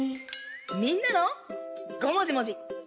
みんなの「ごもじもじ」。